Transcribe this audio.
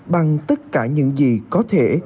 bằng tất cả những gì có thể